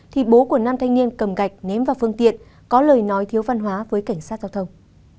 thì bố của nam thanh niên cầm gạch ném vào phương tiện có lời nói thiếu văn hóa với cảnh sát giao thông